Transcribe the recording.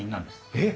えっ！